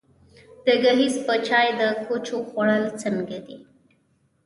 د ګیځ په چای د کوچو خوړل څنګه دي؟